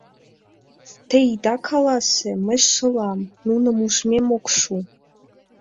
Те ида каласе, мый шылам, нуным ужмем ок шу...